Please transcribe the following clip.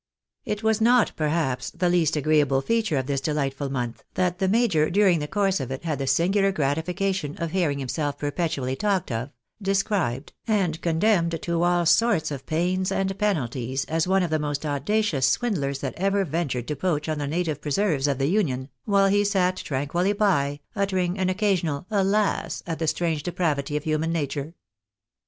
It was not, perhaps, the least agreeable feature of this delight ful month, that the major during the course of it had the singular gratification of hearing himself perpetually talked of, described, and condemned to all sorts of pains and penalties, as one of the most audacious swindlers that ever ventured to poach on the native preserves of the Union, while he sat tranquilly by, uttering an occasional " alas !" at the strange depravity of human nature.